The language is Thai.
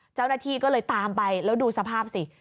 เจ้าหน้าที่ก็เลยตามไปแล้วดูสภาพสิ